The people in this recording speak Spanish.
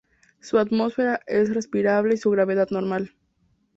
Su atmósfera es respirable y su gravedad normal.